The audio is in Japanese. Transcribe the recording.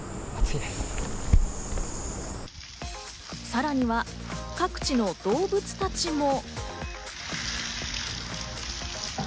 さらには各地の動物たちも。